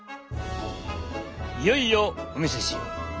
いよいよお見せしよう！